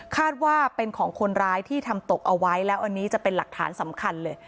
คาดว่าเป็นของคนร้ายที่ทำตกเอาไว้แล้วอันนี้จะเป็นหลักฐานสำคัญเลย